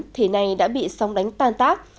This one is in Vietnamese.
thế này đã bị sóng đánh tan tác